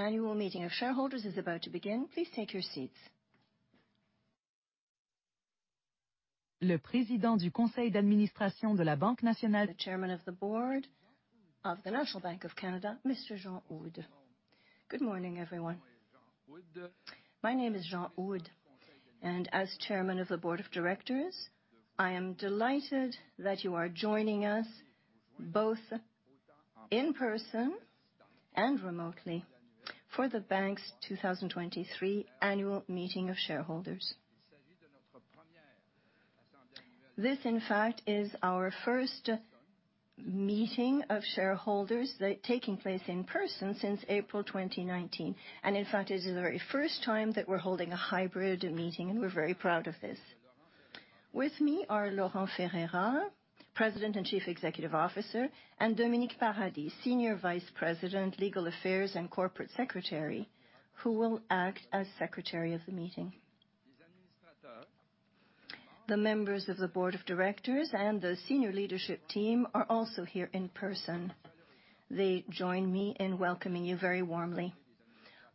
The annual meeting of shareholders is about to begin. Please take your seats. Le président du conseil d'administration de la Banque Nationale. The Chairman of the Board of the National Bank of Canada, Mr. Jean Houde. Good morning, everyone. My name is Jean Houde, as Chairman of the Board of Directors, I am delighted that you are joining us both in person and remotely for the bank's 2023 annual meeting of shareholders. This, in fact, is our first meeting of shareholders that taking place in person since April 2019, in fact, is the very first time that we're holding a hybrid meeting, we're very proud of this. With me are Laurent Ferreira, President and Chief Executive Officer, and Dominic Paradis, Senior Vice President, Legal Affairs and Corporate Secretary, who will act as secretary of the meeting. The members of the board of directors and the senior leadership team are also here in person. They join me in welcoming you very warmly.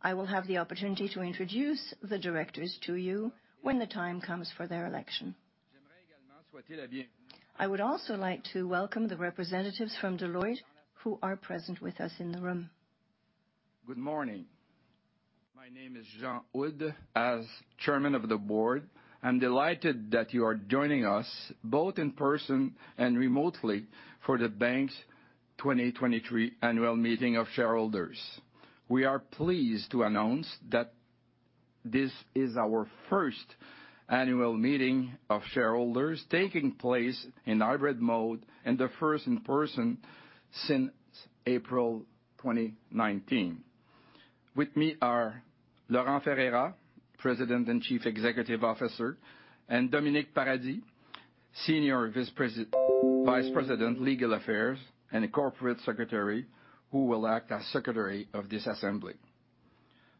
I will have the opportunity to introduce the directors to you when the time comes for their election. I would also like to welcome the representatives from Deloitte who are present with us in the room. Good morning. My name is Jean Houde. As Chairman of the Board, I'm delighted that you are joining us both in person and remotely for the Bank's 2023 annual meeting of shareholders. We are pleased to announce that this is our first annual meeting of shareholders taking place in hybrid mode and the first in person since April 2019. With me are Laurent Ferreira, President and Chief Executive Officer, and Dominic Paradis, Senior Vice President, Legal Affairs and Corporate Secretary, who will act as Secretary of this assembly.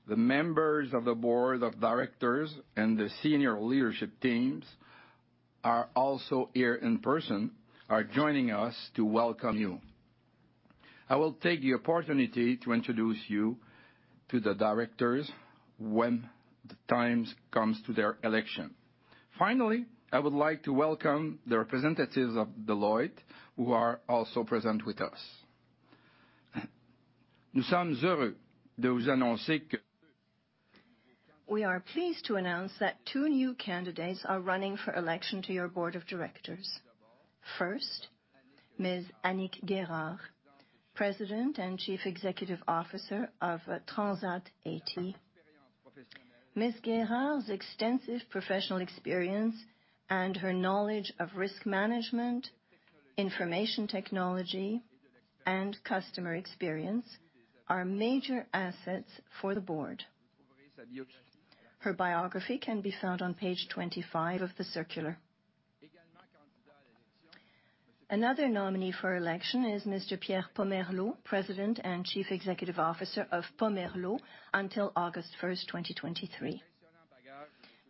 The members of the board of directors and the senior leadership teams are also here in person, joining us to welcome you. I will take the opportunity to introduce you to the directors when the times comes to their election. I would like to welcome the representatives of Deloitte, who are also present with us. We are pleased to announce that two new candidates are running for election to your board of directors. First, Ms. Annick Guérard, President and Chief Executive Officer of Transat A.T. Ms. Guérard's extensive professional experience and her knowledge of risk management, information technology, and customer experience are major assets for the board. Her biography can be found on page 25 of the circular. Another nominee for election is Mr. Pierre Pomerleau, President and Chief Executive Officer of Pomerleau until August 1st, 2023.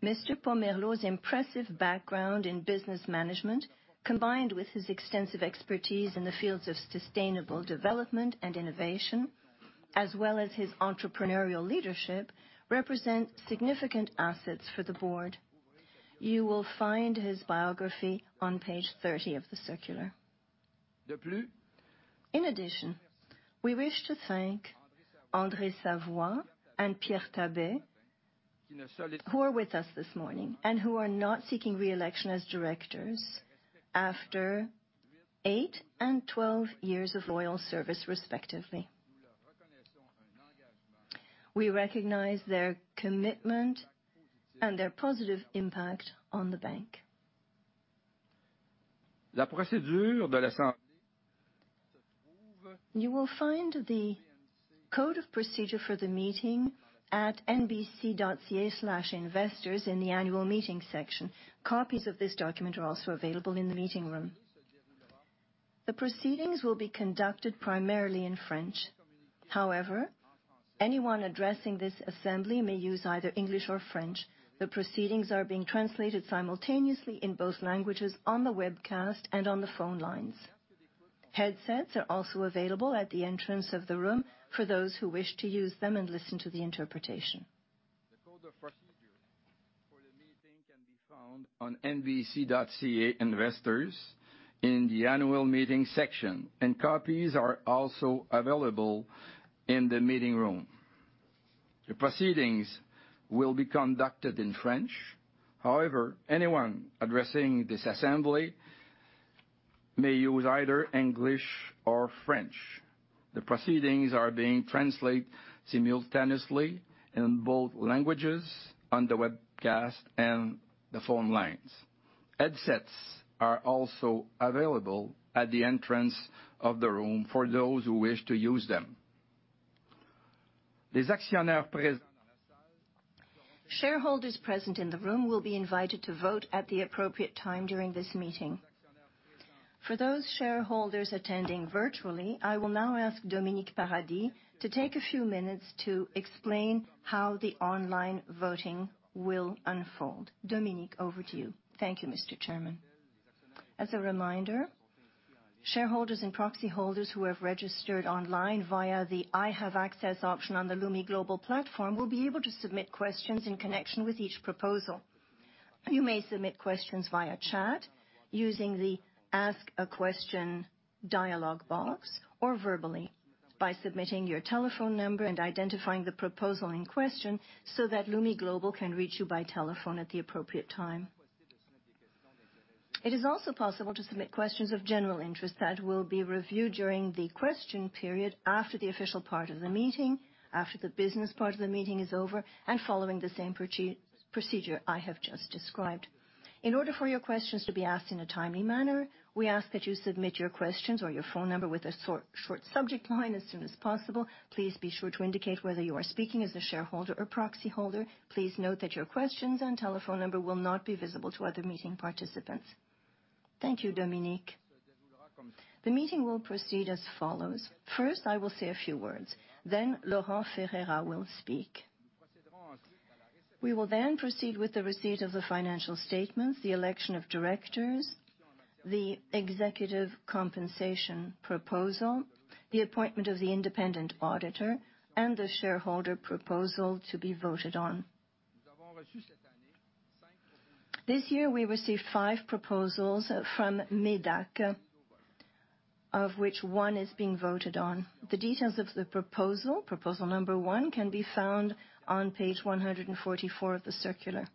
Mr. Pomerleau's impressive background in business management, combined with his extensive expertise in the fields of sustainable development and innovation, as well as his entrepreneurial leadership, represent significant assets for the board. You will find his biography on page 30 of the circular. In addition, we wish to thank Andrée Savoie and Pierre Thabet, who are with us this morning and who are not seeking reelection as Directors after eight and 12 years of loyal service, respectively. We recognize their commitment and their positive impact on the bank. You will find the code of procedure for the meeting at nbc.ca/investors in the annual meeting section. Copies of this document are also available in the meeting room. The proceedings will be conducted primarily in French. Anyone addressing this assembly may use either English or French. The proceedings are being translated simultaneously in both languages on the webcast and on the phone lines. Headsets are also available at the entrance of the room for those who wish to use them and listen to the interpretation. The code of procedure for the meeting can be found on nbc.ca investors in the annual meeting section, and copies are also available in the meeting room. The proceedings will be conducted in French. However, anyone addressing this assembly may use either English or French. The proceedings are being translated simultaneously in both languages on the webcast and the phone lines. Headsets are also available at the entrance of the room for those who wish to use them. Shareholders present in the room will be invited to vote at the appropriate time during this meeting. For those shareholders attending virtually, I will now ask Dominic Paradis to take a few minutes to explain how the online voting will unfold. Dominic, over to you. Thank you, Mr. Chairman. As a reminder. Shareholders and proxy holders who have registered online via the IHaveAccess option on the Lumi Global platform will be able to submit questions in connection with each proposal. You may submit questions via chat using the Ask a Question dialog box, or verbally by submitting your telephone number and identifying the proposal in question so that Lumi Global can reach you by telephone at the appropriate time. It is also possible to submit questions of general interest that will be reviewed during the question period after the official part of the meeting, after the business part of the meeting is over, and following the same procedure I have just described. In order for your questions to be asked in a timely manner, we ask that you submit your questions or your phone number with a short subject line as soon as possible. Please be sure to indicate whether you are speaking as a shareholder or proxy holder. Please note that your questions and telephone number will not be visible to other meeting participants. Thank you, Dominic. The meeting will proceed as follows. First, I will say a few words, Laurent Ferreira will speak. We will proceed with the receipt of the financial statements, the election of directors, the executive compensation proposal, the appointment of the independent auditor, and the shareholder proposal to be voted on. This year, we received five proposals from MÉDAC, of which one is being voted on. The details of the proposal number one, can be found on page 144 of the circular.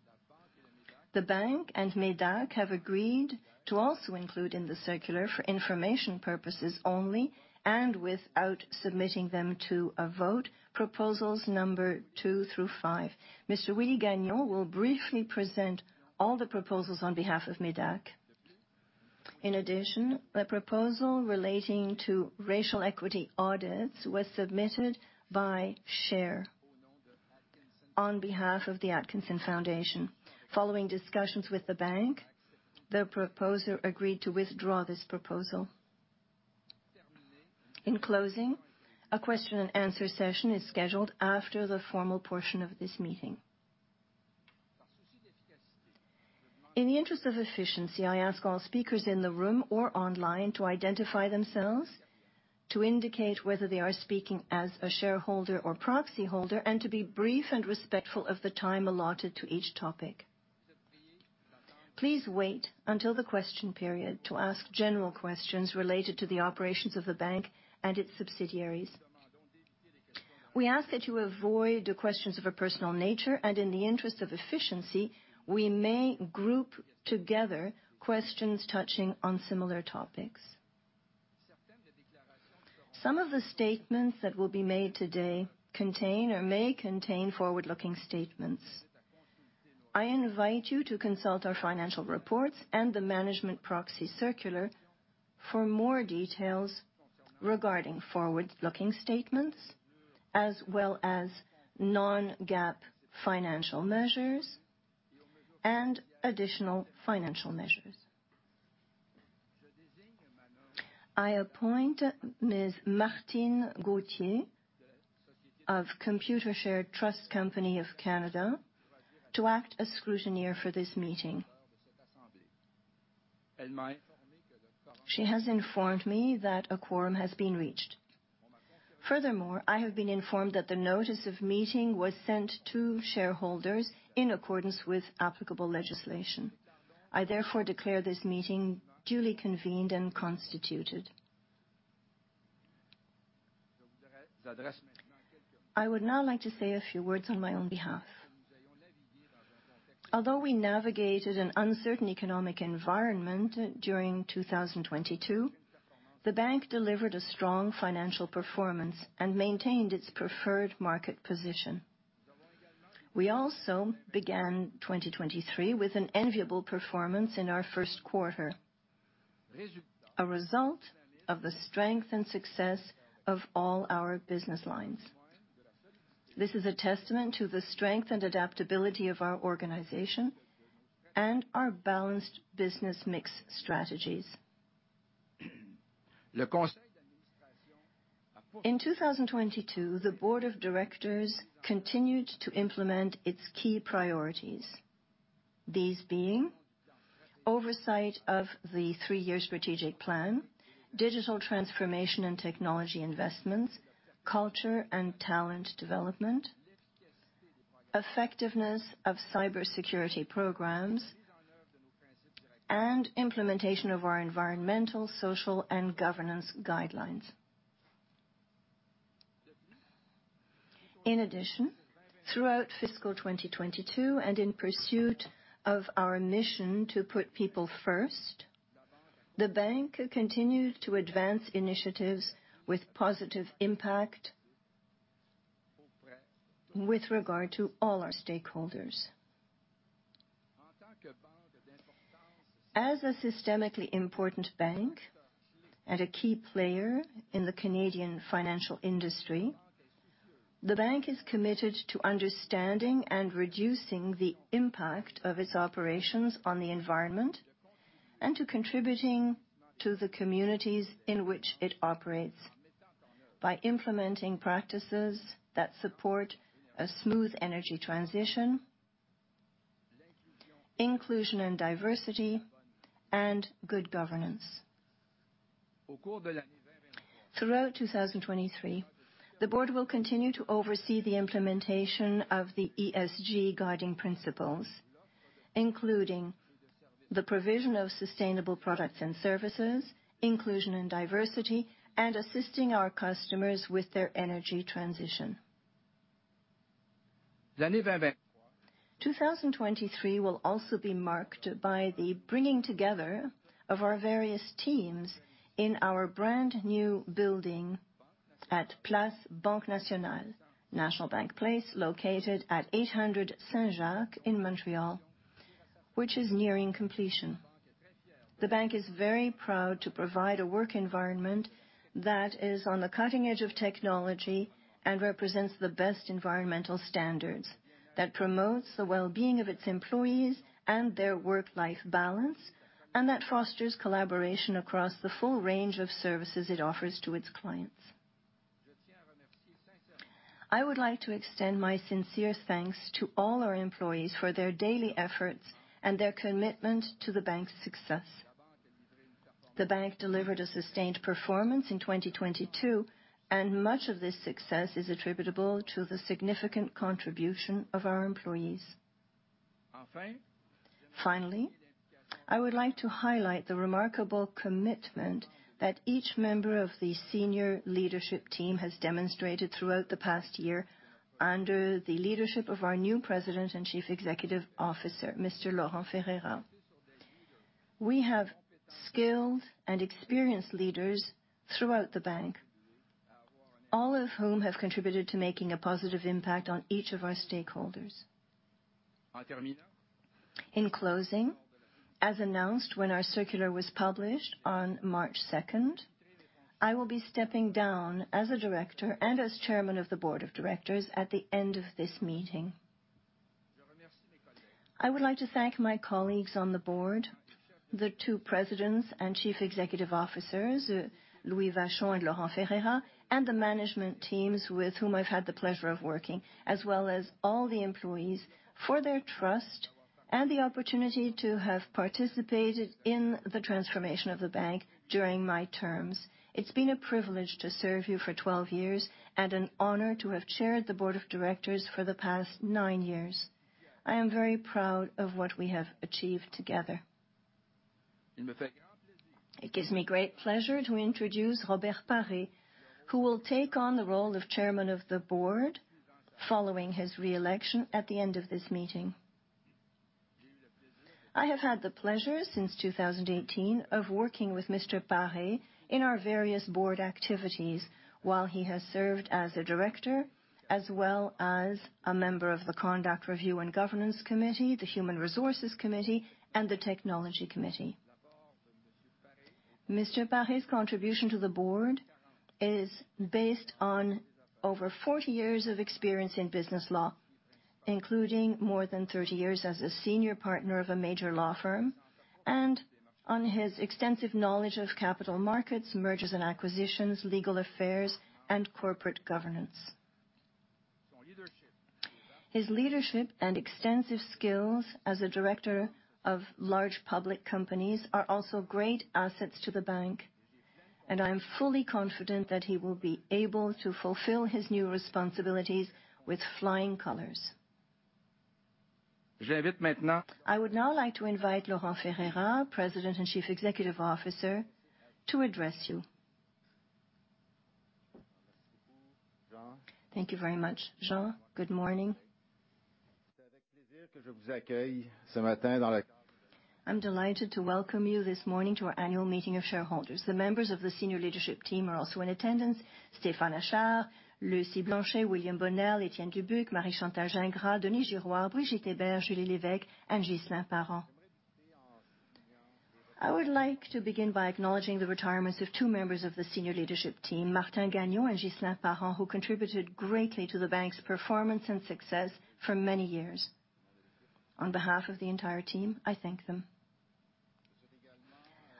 The Bank and MÉDAC have agreed to also include in the circular, for information purposes only, and without submitting them to a vote, proposals number two through five. Mr. Willie Gagnon will briefly present all the proposals on behalf of MÉDAC. In addition, a proposal relating to racial equity audits was submitted by SHARE on behalf of the Atkinson Foundation. Following discussions with the bank, the proposer agreed to withdraw this proposal. In closing, a question and answer session is scheduled after the formal portion of this meeting. In the interest of efficiency, I ask all speakers in the room or online to identify themselves, to indicate whether they are speaking as a shareholder or proxy holder, and to be brief and respectful of the time allotted to each topic. Please wait until the question period to ask general questions related to the operations of the bank and its subsidiaries. We ask that you avoid questions of a personal nature, and in the interest of efficiency, we may group together questions touching on similar topics. Some of the statements that will be made today contain or may contain forward-looking statements. I invite you to consult our financial reports and the management proxy circular for more details regarding forward-looking statements, as well as non-GAAP financial measures and additional financial measures. I appoint Ms. Martine Gauthier of Computershare Trust Company of Canada to act as scrutineer for this meeting. She has informed me that a quorum has been reached. I have been informed that the notice of meeting was sent to shareholders in accordance with applicable legislation. I therefore declare this meeting duly convened and constituted. I would now like to say a few words on my own behalf. Although we navigated an uncertain economic environment during 2022, the bank delivered a strong financial performance and maintained its preferred market position. We also began 2023 with an enviable performance in our first quarter, a result of the strength and success of all our business lines. This is a testament to the strength and adaptability of our organization and our balanced business mix strategies. In 2022, the board of directors continued to implement its key priorities, these being oversight of the three-year strategic plan, digital transformation and technology investments, culture and talent development, effectiveness of cybersecurity programs, and implementation of our environmental, social, and governance guidelines. Throughout fiscal 2022, and in pursuit of our mission to put people first, the bank continued to advance initiatives with positive impact with regard to all our stakeholders. As a systemically important bank and a key player in the Canadian financial industry, the bank is committed to understanding and reducing the impact of its operations on the environment and to contributing to the communities in which it operates by implementing practices that support a smooth energy transition, inclusion and diversity, and good governance. Throughout 2023, the board will continue to oversee the implementation of the ESG guiding principles, including the provision of sustainable products and services, inclusion and diversity, and assisting our customers with their energy transition. 2023 will also be marked by the bringing together of our various teams in our brand new building at Place Banque Nationale, National Bank Place, located at 800 Saint-Jacques in Montreal, which is nearing completion. The bank is very proud to provide a work environment that is on the cutting edge of technology and represents the best environmental standards, that promotes the well-being of its employees and their work-life balance, and that fosters collaboration across the full range of services it offers to its clients. I would like to extend my sincerest thanks to all our employees for their daily efforts and their commitment to the bank's success. The bank delivered a sustained performance in 2022, and much of this success is attributable to the significant contribution of our employees. Finally, I would like to highlight the remarkable commitment that each member of the senior leadership team has demonstrated throughout the past year under the leadership of our new President and Chief Executive Officer, Mr. Laurent Ferreira. We have skilled and experienced leaders throughout the bank, all of whom have contributed to making a positive impact on each of our stakeholders. In closing, as announced when our circular was published on March second, I will be stepping down as a director and as Chairman of the Board of Directors at the end of this meeting. I would like to thank my colleagues on the board, the two Presidents and Chief Executive Officers, Louis Vachon and Laurent Ferreira, and the management teams with whom I've had the pleasure of working, as well as all the employees for their trust and the opportunity to have participated in the transformation of the bank during my terms. It's been a privilege to serve you for 12 years, and an honor to have chaired the Board of Directors for the past nine years. I am very proud of what we have achieved together. It gives me great pleasure to introduce Robert Paré, who will take on the role of chairman of the board following his re-election at the end of this meeting. I have had the pleasure since 2018 of working with Mr. Paré in our various board activities while he has served as a director, as well as a member of the Conduct Review and Corporate Governance Committee, the Human Resources Committee, and the Technology and Operations Committee. Mr. Paré's contribution to the board is based on over 40 years of experience in business law, including more than 30 years as a senior partner of a major law firm, and on his extensive knowledge of capital markets, mergers and acquisitions, legal affairs, and corporate governance. His leadership and extensive skills as a director of large public companies are also great assets to the bank, and I am fully confident that he will be able to fulfill his new responsibilities with flying colors. I would now like to invite Laurent Ferreira, President and Chief Executive Officer, to address you. Thank you very much, Jean. Good morning. I'm delighted to welcome you this morning to our annual meeting of shareholders. The members of the senior leadership team are also in attendance, Stéphane Achard, Lucie Blanchet, William Bonnell, Étienne Dubuc, Marie-Chantal Gingras, Denis Girouard, Brigitte Hébert, Julie Lévesque, and Ghislain Parent. I would like to begin by acknowledging the retirements of two members of the senior leadership team, Martin Gagnon and Ghislain Parent, who contributed greatly to the bank's performance and success for many years. On behalf of the entire team, I thank them.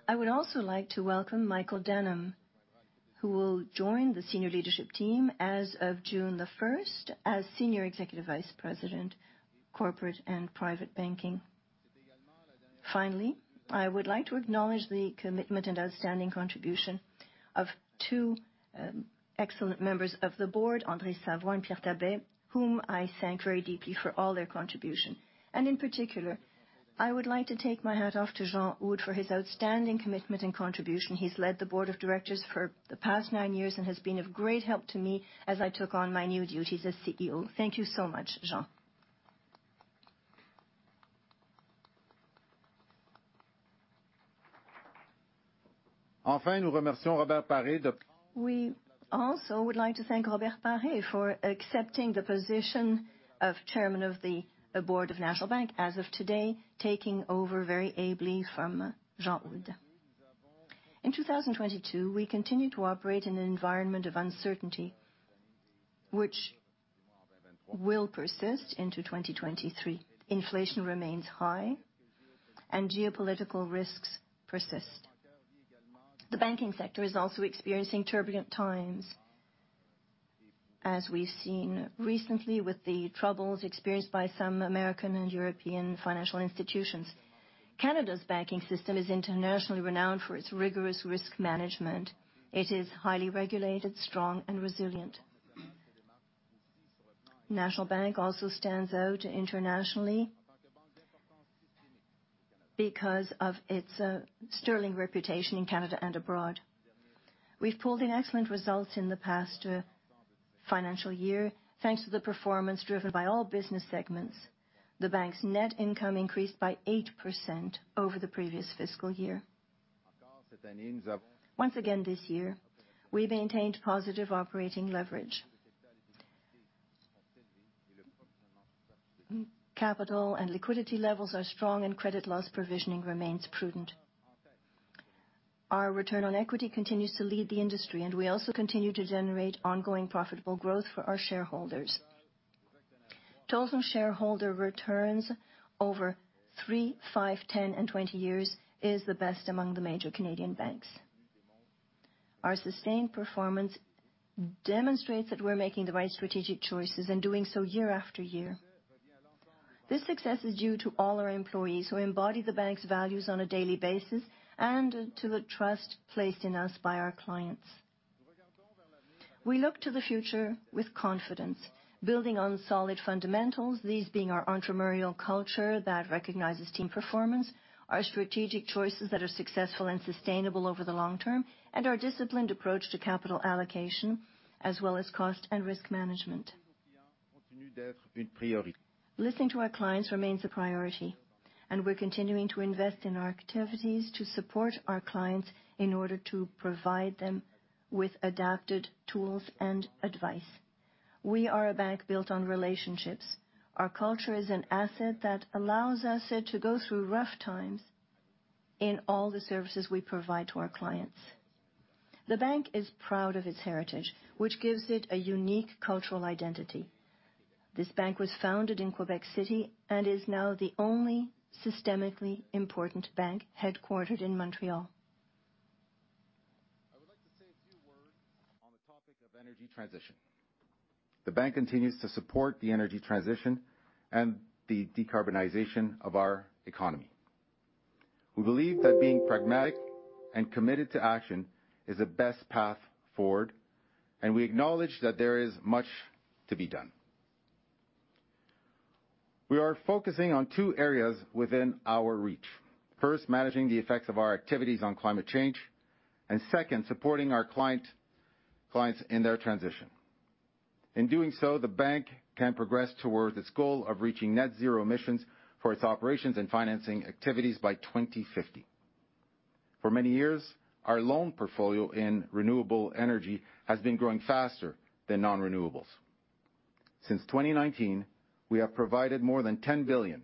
I would also like to welcome Michael Denham, who will join the senior leadership team as of June the first as Senior Executive Vice President, Corporate and Private Banking. Finally, I would like to acknowledge the commitment and outstanding contribution of two excellent members of the board, Andrée Savoie and Pierre Thabet, whom I thank very deeply for all their contribution. In particular, I would like to take my hat off to Jean Houde for his outstanding commitment and contribution. He's led the board of directors for the past nine years and has been of great help to me as I took on my new duties as CEO. Thank you so much, Jean. We also would like to thank Robert Paré for accepting the position of Chairman of the Board of National Bank. As of today, taking over very ably from Jean Houde. In 2022, we continued to operate in an environment of uncertainty, which will persist into 2023. Inflation remains high and geopolitical risks persist. The banking sector is also experiencing turbulent times. As we've seen recently with the troubles experienced by some American and European financial institutions, Canada's banking system is internationally renowned for its rigorous risk management. It is highly regulated, strong, and resilient. National Bank also stands out internationally because of its sterling reputation in Canada and abroad. We've pulled in excellent results in the past financial year, thanks to the performance driven by all business segments. The bank's net income increased by 8% over the previous fiscal year. Once again, this year, we maintained positive operating leverage. Capital and liquidity levels are strong, and credit loss provisioning remains prudent. Our return on equity continues to lead the industry, and we also continue to generate ongoing profitable growth for our shareholders. Total shareholder returns over three, five, 10, and 20 years is the best among the major Canadian banks. Our sustained performance demonstrates that we're making the right strategic choices and doing so year after year. This success is due to all our employees who embody the bank's values on a daily basis and to the trust placed in us by our clients. We look to the future with confidence, building on solid fundamentals, these being our entrepreneurial culture that recognizes team performance, our strategic choices that are successful and sustainable over the long term, and our disciplined approach to capital allocation, as well as cost and risk management. Listening to our clients remains a priority. We're continuing to invest in our activities to support our clients in order to provide them with adapted tools and advice. We are a bank built on relationships. Our culture is an asset that allows us to go through rough times in all the services we provide to our clients. The bank is proud of its heritage, which gives it a unique cultural identity. This bank was founded in Quebec City and is now the only systemically important bank headquartered in Montreal. I would like to say a few words on the topic of energy transition. The bank continues to support the energy transition and the decarbonization of our economy. We believe that being pragmatic and committed to action is the best path forward, and we acknowledge that there is much to be done. We are focusing on two areas within our reach. First, managing the effects of our activities on climate change, and second, supporting our clients in their transition. In doing so, the bank can progress towards its goal of reaching net-zero emissions for its operations and financing activities by 2050. For many years, our loan portfolio in renewable energy has been growing faster than non-renewables. Since 2019, we have provided more than 10 billion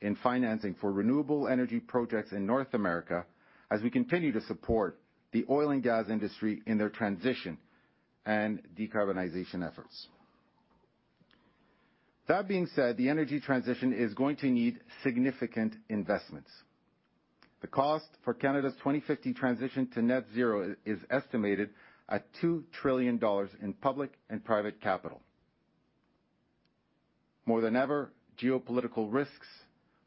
in financing for renewable energy projects in North America as we continue to support the oil and gas industry in their transition and decarbonization efforts. That being said, the energy transition is going to need significant investments. The cost for Canada's 2050 transition to net-zero is estimated at 2 trillion dollars in public and private capital. More than ever, geopolitical risks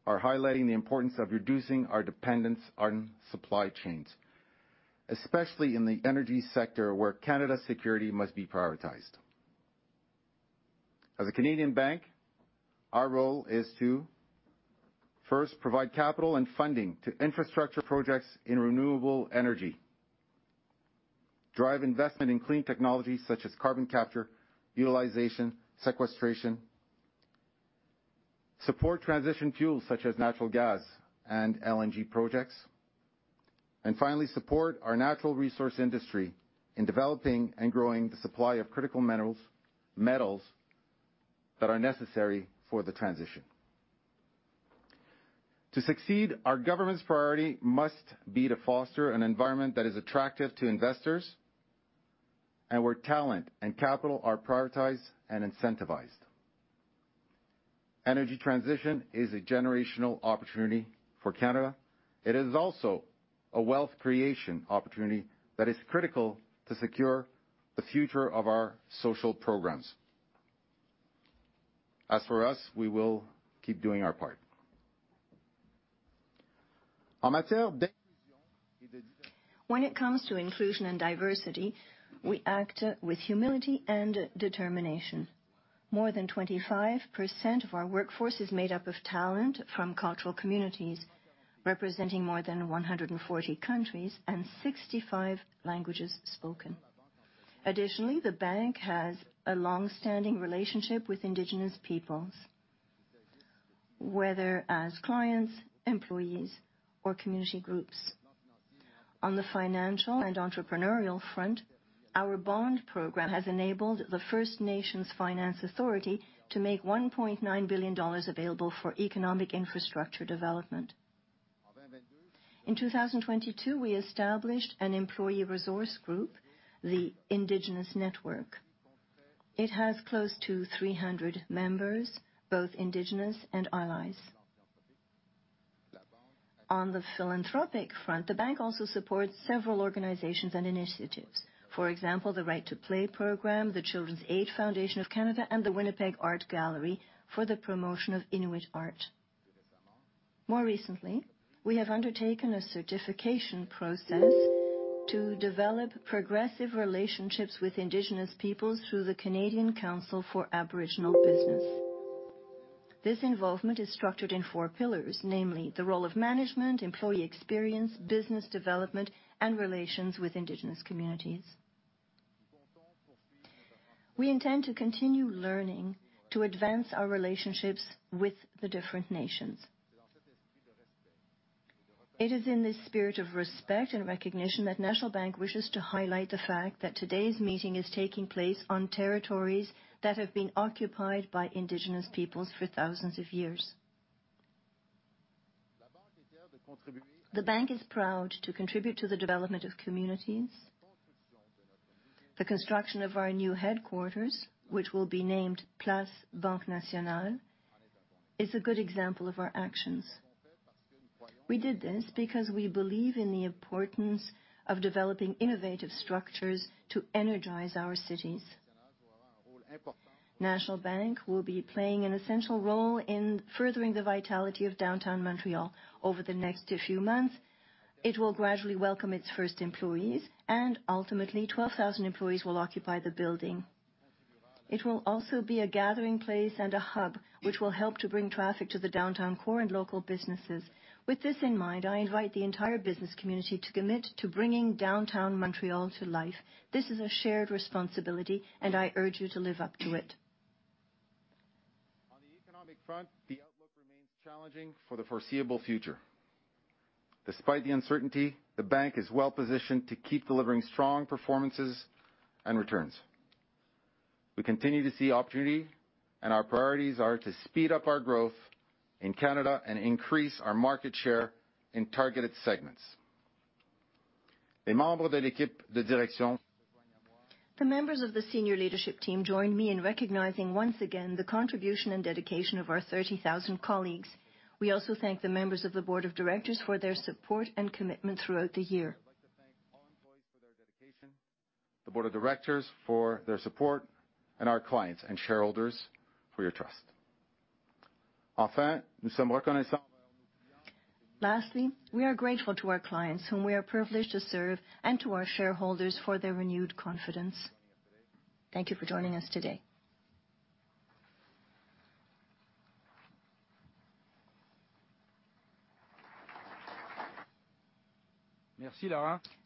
are highlighting the importance of reducing our dependence on supply chains, especially in the energy sector where Canada's security must be prioritized. As a Canadian bank, our role is to first provide capital and funding to infrastructure projects in renewable energy, drive investment in clean technologies such as carbon capture, utilization, sequestration, support transition fuels such as natural gas and LNG projects, and finally, support our natural resource industry in developing and growing the supply of critical minerals, metals that are necessary for the transition. To succeed, our government's priority must be to foster an environment that is attractive to investors and where talent and capital are prioritized and incentivized. Energy transition is a generational opportunity for Canada. It is also a wealth creation opportunity that is critical to secure the future of our social programs. As for us, we will keep doing our part. When it comes to inclusion and diversity, we act with humility and determination. More than 25% of our workforce is made up of talent from cultural communities, representing more than 140 countries and 65 languages spoken. Additionally, the bank has a long-standing relationship with Indigenous Peoples, whether as clients, employees, or community groups. On the financial and entrepreneurial front, our bond program has enabled the First Nations Finance Authority to make 1.9 billion dollars available for economic infrastructure development. In 2022, we established an employee resource group, the Indigenous Network. It has close to 300 members, both Indigenous and allies. On the philanthropic front, the bank also supports several organizations and initiatives. For example, the Right to Play program, the Children's Aid Foundation of Canada, and the Winnipeg Art Gallery for the promotion of Inuit art. More recently, we have undertaken a certification process to develop progressive relationships with Indigenous peoples through the Canadian Council for Aboriginal Business. This involvement is structured in four pillars, namely the role of management, employee experience, business development, and relations with Indigenous communities. We intend to continue learning to advance our relationships with the different nations. It is in this spirit of respect and recognition that National Bank wishes to highlight the fact that today's meeting is taking place on territories that have been occupied by Indigenous peoples for thousands of years. The Bank is proud to contribute to the development of communities. The construction of our new headquarters, which will be named Place Banque Nationale, is a good example of our actions. We did this because we believe in the importance of developing innovative structures to energize our cities. National Bank will be playing an essential role in furthering the vitality of downtown Montreal over the next few months. It will gradually welcome its first employees. Ultimately, 12,000 employees will occupy the building. It will also be a gathering place and a hub, which will help to bring traffic to the downtown core and local businesses. With this in mind, I invite the entire business community to commit to bringing downtown Montreal to life. This is a shared responsibility. I urge you to live up to it. On the economic front, the outlook remains challenging for the foreseeable future. Despite the uncertainty, the bank is well-positioned to keep delivering strong performances and returns. Our priorities are to speed up our growth in Canada and increase our market share in targeted segments. The members of the senior leadership team join me in recognizing once again the contribution and dedication of our 30,000 colleagues. We also thank the members of the board of directors for their support and commitment throughout the year. I'd like to thank all employees for their dedication, the board of directors for their support, and our clients and shareholders for your trust. Lastly, we are grateful to our clients whom we are privileged to serve, and to our shareholders for their renewed confidence. Thank you for joining us today.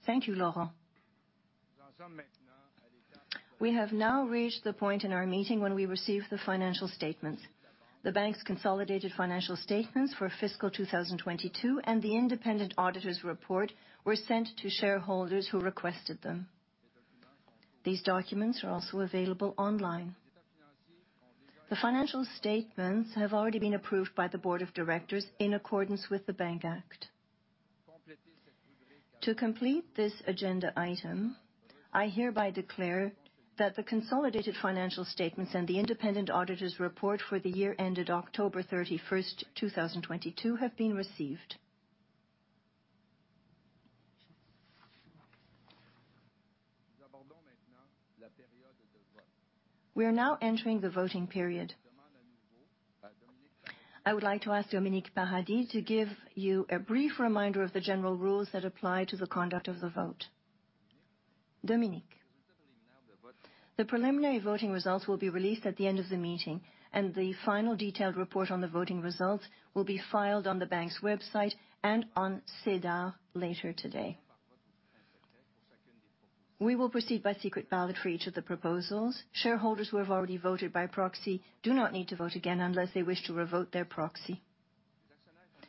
Thank you, Laurent. We have now reached the point in our meeting when we receive the financial statements. The bank's consolidated financial statements for fiscal 2022 and the independent auditor's report were sent to shareholders who requested them. These documents are also available online. The financial statements have already been approved by the board of directors in accordance with the Bank Act. To complete this agenda item, I hereby declare that the consolidated financial statements and the independent auditor's report for the year ended October 31st, 2022 have been received. We are now entering the voting period. I would like to ask Dominic Paradis to give you a brief reminder of the general rules that apply to the conduct of the vote. Dominic. The preliminary voting results will be released at the end of the meeting, and the final detailed report on the voting results will be filed on the bank's website and on SEDAR later today. We will proceed by secret ballot for each of the proposals. Shareholders who have already voted by proxy do not need to vote again unless they wish to revoke their proxy.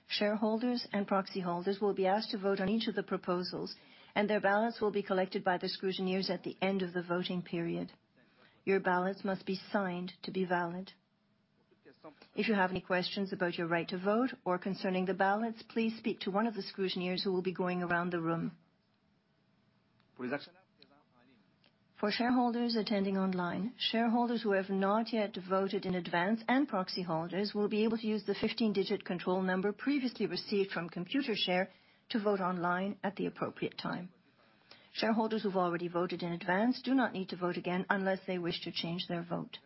Shareholders and proxy holders will be asked to vote on each of the proposals, and their ballots will be collected by the scrutineers at the end of the voting period. Your ballots must be signed to be valid. If you have any questions about your right to vote or concerning the ballots, please speak to one of the scrutineers who will be going around the room. For shareholders attending online, shareholders who have not yet voted in advance and proxy holders will be able to use the 15-digit control number previously received from Computershare to vote online at the appropriate time. Shareholders who've already voted in advance do not need to vote again unless they wish to change their vote.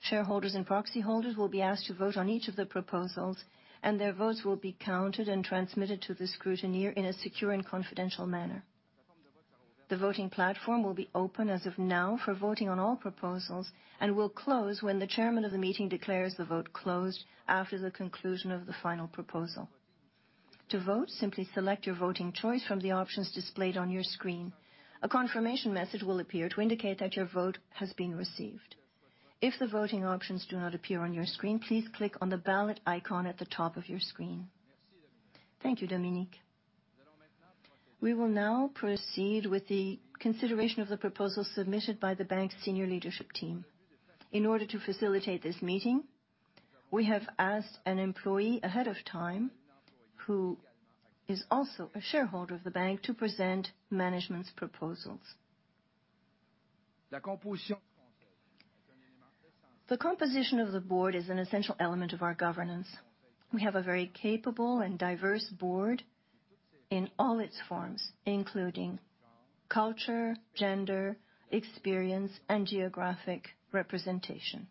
Shareholders and proxy holders will be asked to vote on each of the proposals, and their votes will be counted and transmitted to the scrutineer in a secure and confidential manner. The voting platform will be open as of now for voting on all proposals and will close when the Chairman of the meeting declares the vote closed after the conclusion of the final proposal. To vote, simply select your voting choice from the options displayed on your screen. A confirmation message will appear to indicate that your vote has been received. If the voting options do not appear on your screen, please click on the ballot icon at the top of your screen. Thank you, Dominic. We will now proceed with the consideration of the proposal submitted by the bank's senior leadership team. In order to facilitate this meeting, we have asked an employee ahead of time who is also a shareholder of the bank to present management's proposals. The composition of the board is an essential element of our governance. We have a very capable and diverse board in all its forms, including culture, gender, experience, and geographic representation.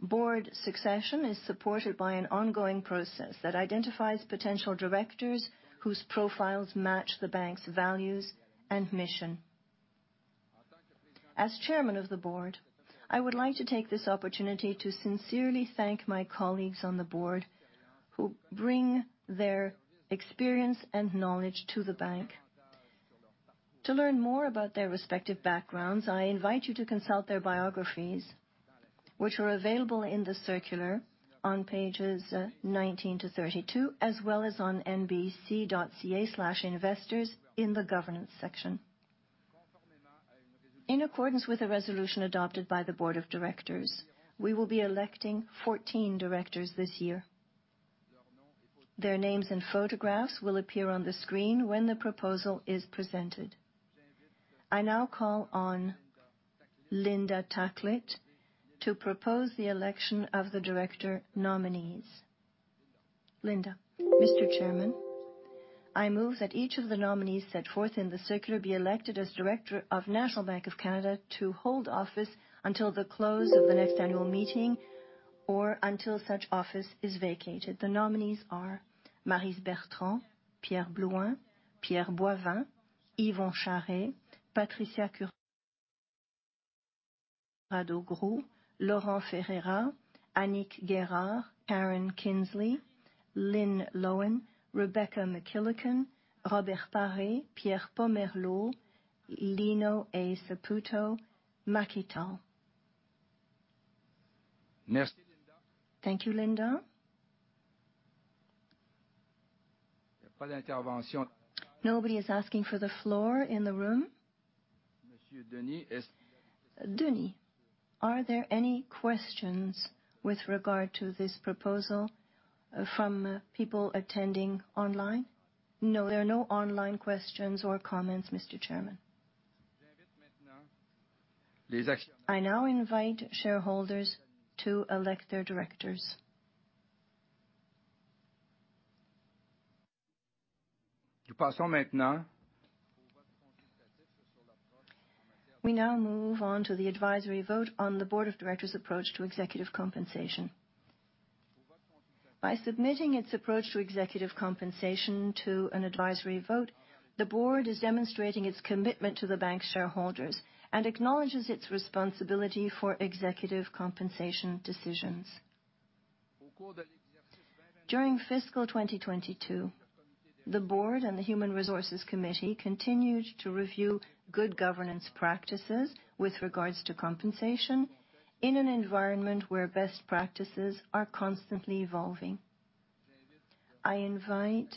Board succession is supported by an ongoing process that identifies potential directors whose profiles match the bank's values and mission. As chairman of the board, I would like to take this opportunity to sincerely thank my colleagues on the board who bring their experience and knowledge to the bank. To learn more about their respective backgrounds, I invite you to consult their biographies, which are available in the circular on pages 19 to 32, as well as on nbc.ca/investors in the Governance section. In accordance with a resolution adopted by the board of directors, we will be electing 14 directors this year. Their names and photographs will appear on the screen when the proposal is presented. I now call on Linda Taklit to propose the election of the director nominees. Linda. Mr. Chairman, I move that each of the nominees set forth in the circular be elected as director of National Bank of Canada to hold office until the close of the next annual meeting or until such office is vacated. The nominees are Maryse Bertrand, Pierre Blouin, Pierre Boivin, Yvon Charest, Patricia Curti, Gerardo Grou, Laurent Ferreira, Annick Guérard, Karen Kinsley, Lynn Loewen, Rebecca McKillican, Robert Paré, Pierre Pomerleau, Lino A. Saputo, Macky Tall. Thank you, Linda. Nobody is asking for the floor in the room. Dominic, are there any questions with regard to this proposal from people attending online? No, there are no online questions or comments, Mr. Chairman. I now invite shareholders to elect their directors. We now move on to the advisory vote on the board of directors' approach to executive compensation. By submitting its approach to executive compensation to an advisory vote, the board is demonstrating its commitment to the Bank shareholders and acknowledges its responsibility for executive compensation decisions. During fiscal 2022, the board and the Human Resources Committee continued to review good governance practices with regards to compensation in an environment where best practices are constantly evolving. I invite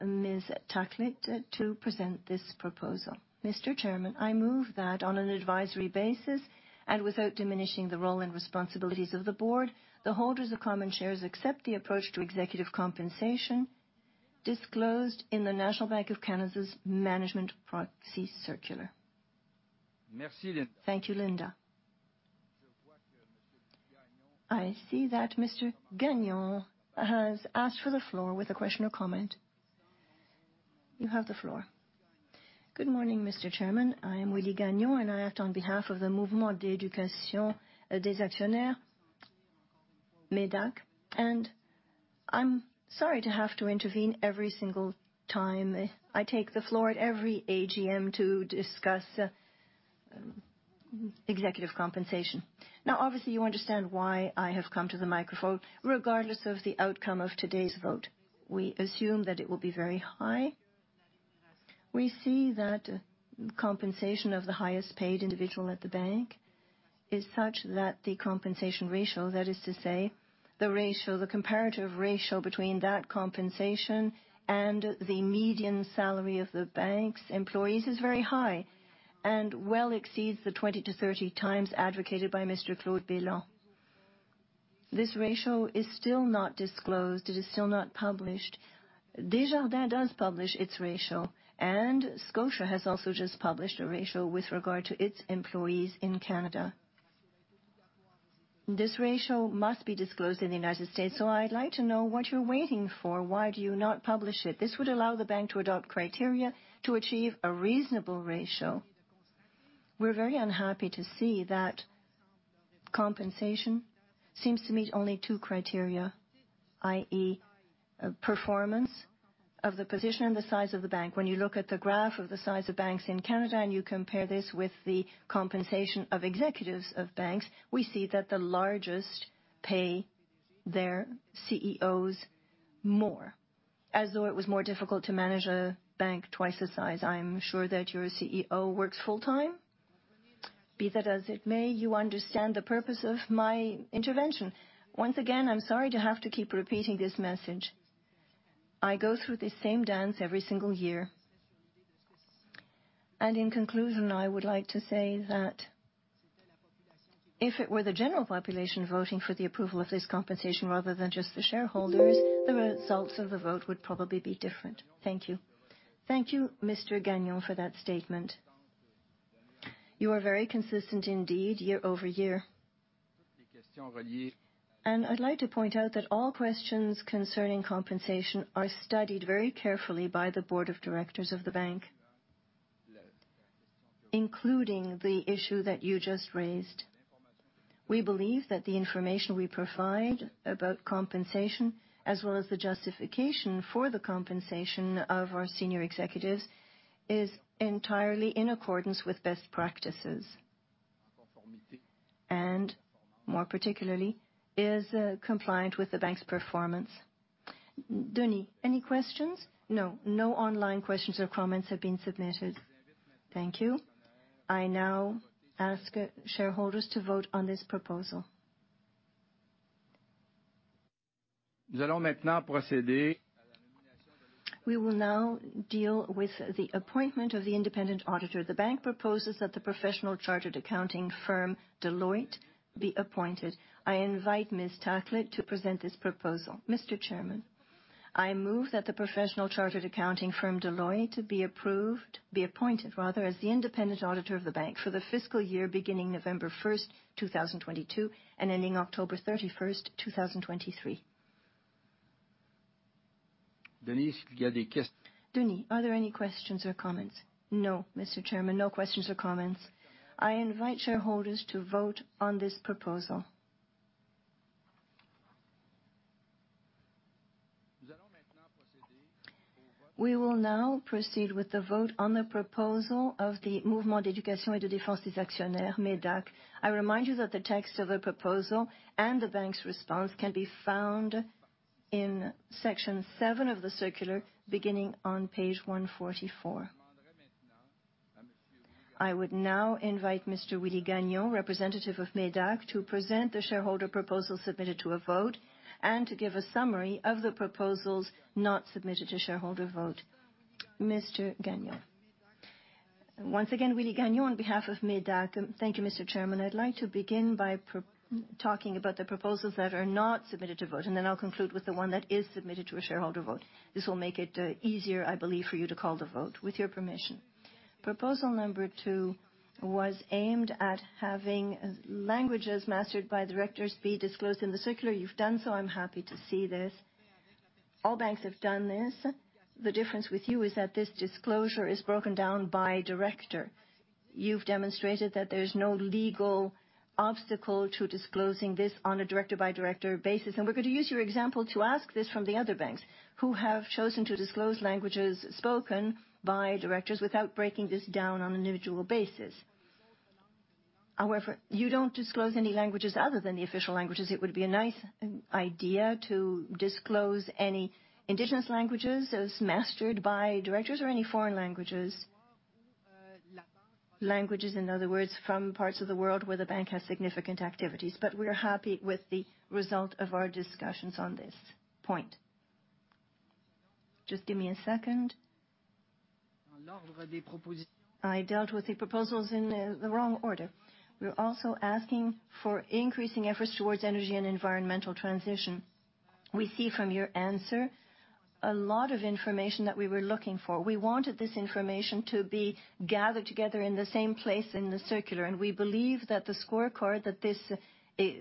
Ms. Taklit to present this proposal. Mr. Chairman, I move that on an advisory basis and without diminishing the role and responsibilities of the board, the holders of common shares accept the approach to executive compensation disclosed in the National Bank of Canada's management proxy circular. Thank you, Linda. I see that Mr. Gagnon has asked for the floor with a question or comment. You have the floor. Good morning, Mr. Chairman. I am Willie Gagnon. I act on behalf of the Mouvement d'éducation et de défense des actionnaires, MÉDAC. I'm sorry to have to intervene every single time. I take the floor at every AGM to discuss executive compensation. Obviously, you understand why I have come to the microphone regardless of the outcome of today's vote. We assume that it will be very high. We see that compensation of the highest-paid individual at the bank is such that the compensation ratio, that is to say, the comparative ratio between that compensation and the median salary of the bank's employees is very high and well exceeds the 20x-30x advocated by Mr. Claude Béland. This ratio is still not disclosed. It is still not published. Desjardins does publish its ratio, and Scotia has also just published a ratio with regard to its employees in Canada. This ratio must be disclosed in the United States. I'd like to know what you're waiting for. Why do you not publish it? This would allow the bank to adopt criteria to achieve a reasonable ratio. We're very unhappy to see that compensation seems to meet only two criteria, i.e., performance of the position and the size of the bank. When you look at the graph of the size of banks in Canada, and you compare this with the compensation of executives of banks, we see that the largest pay their CEOs more, as though it was more difficult to manage a bank twice the size. I'm sure that your CEO works full-time. Be that as it may, you understand the purpose of my intervention. Once again, I'm sorry to have to keep repeating this message. I go through this same dance every single year. In conclusion, I would like to say that if it were the general population voting for the approval of this compensation rather than just the shareholders, the results of the vote would probably be different. Thank you. Thank you, Mr. Gagnon, for that statement. You are very consistent indeed year-over-year. I'd like to point out that all questions concerning compensation are studied very carefully by the board of directors of the bank, including the issue that you just raised. We believe that the information we provide about compensation, as well as the justification for the compensation of our senior executives, is entirely in accordance with best practices, and more particularly, is compliant with the bank's performance. Dominic, any questions? No, no online questions or comments have been submitted. Thank you. I now ask shareholders to vote on this proposal. We will now deal with the appointment of the independent auditor. The bank proposes that the professional chartered accounting firm Deloitte be appointed. I invite Ms. Taklit to present this proposal. Mr. Chairman, I move that the professional chartered accounting firm Deloitte be approved, be appointed rather, as the independent auditor of the bank for the fiscal year beginning November 1st, 2022, and ending October 31st, 2023. Dominic, are there any questions or comments? No, Mr. Chairman, no questions or comments. I invite shareholders to vote on this proposal. We will now proceed with the vote on the proposal of the Mouvement d'éducation et de défense des actionnaires, MÉDAC. I remind you that the text of the proposal and the bank's response can be found in section seven of the circular, beginning on page 144. I would now invite Mr. Willie Gagnon, representative of MÉDAC, to present the shareholder proposal submitted to a vote and to give a summary of the proposals not submitted to shareholder vote. Mr. Gagnon. Once again, Willie Gagnon on behalf of MÉDAC. Thank you, Mr. Chairman. I'd like to begin by talking about the proposals that are not submitted to vote, and then I'll conclude with the one that is submitted to a shareholder vote. This will make it easier, I believe, for you to call the vote with your permission. Proposal number two was aimed at having languages mastered by directors be disclosed in the circular. You've done so. I'm happy to see this. All banks have done this. The difference with you is that this disclosure is broken down by director. You've demonstrated that there's no legal obstacle to disclosing this on a director-by-director basis, and we're going to use your example to ask this from the other banks who have chosen to disclose languages spoken by directors without breaking this down on an individual basis. However, you don't disclose any languages other than the official languages. It would be a nice idea to disclose any indigenous languages as mastered by directors or any foreign languages. Languages, in other words, from parts of the world where the bank has significant activities. We're happy with the result of our discussions on this point. Just give me a second. I dealt with the proposals in the wrong order. We're also asking for increasing efforts towards energy and environmental transition. We see from your answer a lot of information that we were looking for. We wanted this information to be gathered together in the same place in the circular. We believe that the scorecard that this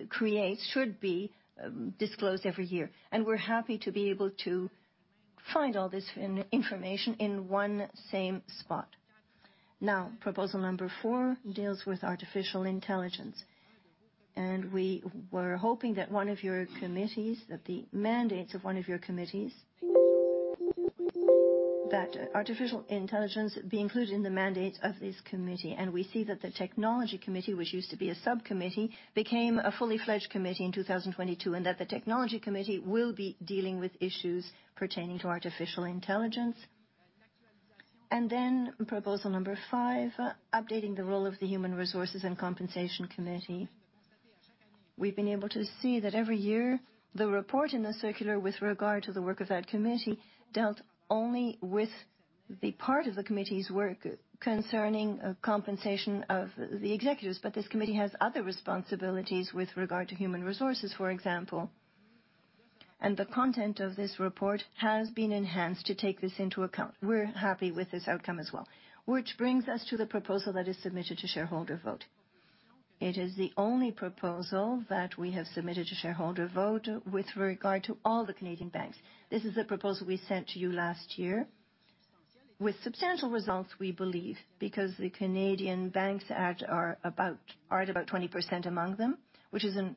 creates should be disclosed every year. We're happy to be able to find all this information in one same spot. Now, proposal number four deals with artificial intelligence. We were hoping that artificial intelligence be included in the mandate of this committee. We see that the Technology Committee, which used to be a subcommittee, became a fully fledged committee in 2022, and that the Technology Committee will be dealing with issues pertaining to artificial intelligence. Proposal number five, updating the role of the Human Resources and Compensation Committee. We've been able to see that every year, the report in the circular with regard to the work of that committee dealt only with the part of the committee's work concerning compensation of the executives. This committee has other responsibilities with regard to human resources, for example. The content of this report has been enhanced to take this into account. We're happy with this outcome as well. Which brings us to the proposal that is submitted to shareholder vote. It is the only proposal that we have submitted to shareholder vote with regard to all the Canadian banks. This is a proposal we sent to you last year with substantial results, we believe, because the Canadian Banks Act are at about 20% among them, which is an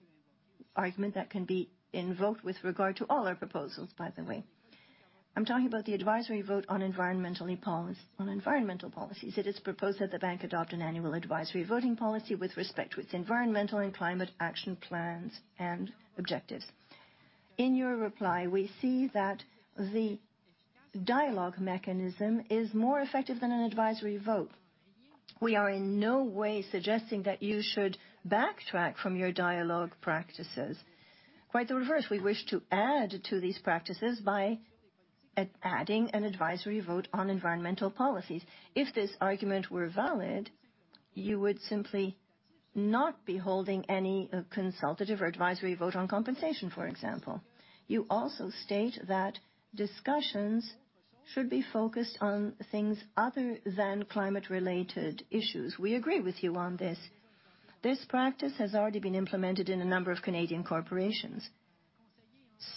argument that can be invoked with regard to all our proposals, by the way. I'm talking about the advisory vote on environmental policy, on environmental policies. It is proposed that the bank adopt an annual advisory voting policy with respect to its environmental and climate action plans and objectives. In your reply, we see that the dialogue mechanism is more effective than an advisory vote. We are in no way suggesting that you should backtrack from your dialogue practices. Quite the reverse. We wish to add to these practices by adding an advisory vote on environmental policies. If this argument were valid, you would simply not be holding any consultative or advisory vote on compensation, for example. You also state that discussions should be focused on things other than climate-related issues. We agree with you on this. This practice has already been implemented in a number of Canadian corporations.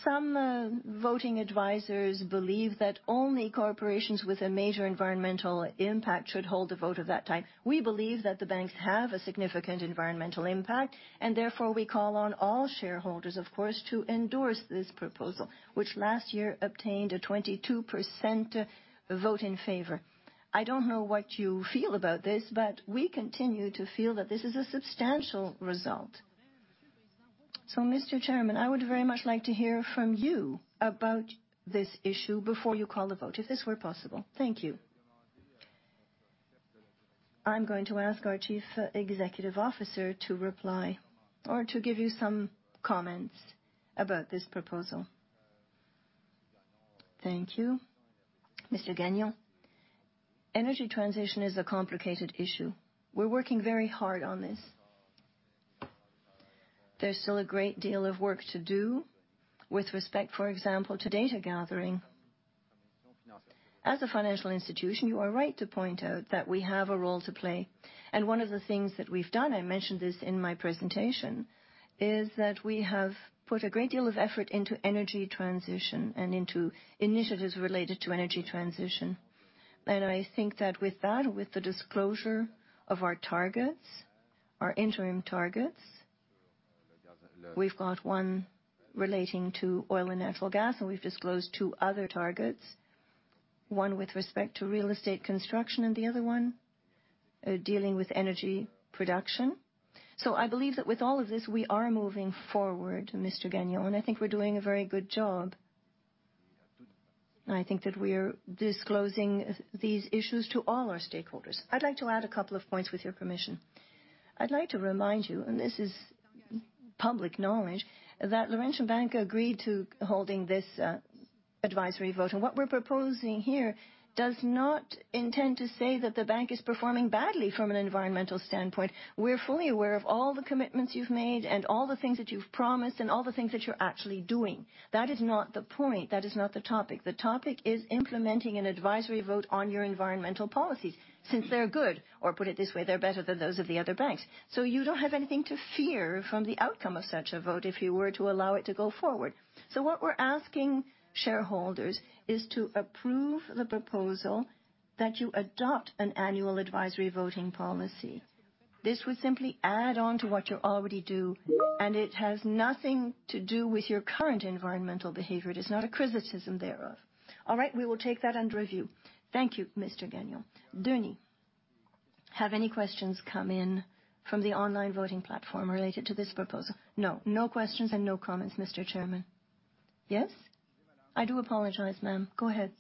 Some voting advisors believe that only corporations with a major environmental impact should hold a vote of that type. Therefore we call on all shareholders, of course, to endorse this proposal, which last year obtained a 22% vote in favor. I don't know what you feel about this, we continue to feel that this is a substantial result. Mr. Chairman, I would very much like to hear from you about this issue before you call the vote, if this were possible. Thank you. I'm going to ask our Chief Executive Officer to reply or to give you some comments about this proposal. Thank you. Mr. Gagnon. Energy transition is a complicated issue. We're working very hard on this. There's still a great deal of work to do with respect, for example, to data gathering. As a financial institution, you are right to point out that we have a role to play. One of the things that we've done, I mentioned this in my presentation, is that we have put a great deal of effort into energy transition and into initiatives related to energy transition. I think that with that, with the disclosure of our targets, our interim targets, we've got one relating to oil and natural gas, and we've disclosed two other targets, one with respect to real estate construction and the other one dealing with energy production. I believe that with all of this, we are moving forward, Mr. Gagnon. I think we're doing a very good job. I think that we're disclosing these issues to all our stakeholders. I'd like to add a couple of points with your permission. I'd like to remind you, and this is public knowledge, that Laurentian Bank agreed to holding this advisory vote. What we're proposing here does not intend to say that the bank is performing badly from an environmental standpoint. We're fully aware of all the commitments you've made and all the things that you've promised and all the things that you're actually doing. That is not the point. That is not the topic. The topic is implementing an advisory vote on your environmental policies since they're good, or put it this way, they're better than those of the other banks. You don't have anything to fear from the outcome of such a vote if you were to allow it to go forward. What we're asking shareholders is to approve the proposal that you adopt an annual advisory voting policy. This would simply add on to what you already do, and it has nothing to do with your current environmental behavior. It is not a criticism thereof. All right, we will take that under review. Thank you, Mr. Gagnon. Dominic, have any questions come in from the online voting platform related to this proposal? No. No questions and no comments, Mr. Chairman. Yes? I do apologize, ma'am. Go ahead.